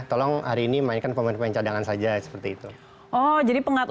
tolong hari ini mainkan pemain pemain cadangan saja seperti itu